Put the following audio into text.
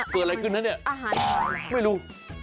เกิดอะไรขึ้นนะเนี่ยไม่รู้